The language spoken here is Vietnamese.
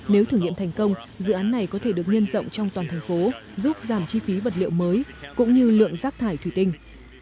nếu thử nghiệm thành công dự án này có thể được nhân rộng trong toàn thành phố giúp giảm chi phí vật liệu mới cũng như lượng rác thải thủy tinh